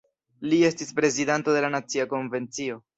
Li estis prezidanto de la Nacia Konvencio.